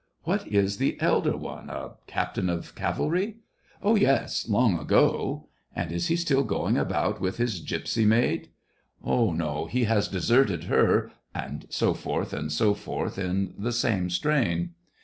What is the elder one? a captain of cavalry t "*' Oh, yes ! long ago." " And is he still going about with his gypsy maid ?" SEVASTOPOL IN MAY. gj "No, he has deserted her ..." and so forth, and so forth, in the same strain.